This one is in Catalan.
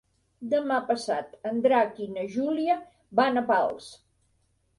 Demà passat en Drac i na Júlia van a Pals.